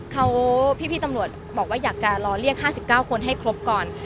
เขาพี่ตำรวจบอกว่าอยากจะรอเรียก๕๙คนให้ครบก่อน